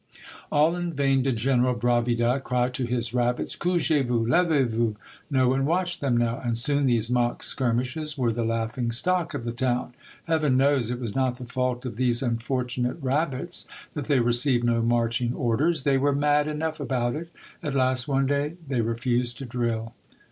All in vain did General Bravida cry to his rab bits, " Couchez voiis! levez vous I " No one watched them now, and soon these mock skirmishes were the laughing stock of the town. Heaven knows, it was not the fault of these unfortunate rabbits that they received no marching orders. They were mad enough about it. At last one day they refused to drill.